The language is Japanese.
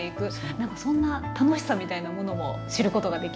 なんかそんな楽しさみたいなものも知ることができました。